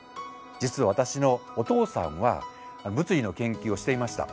実は私のお父さんは物理の研究をしていました。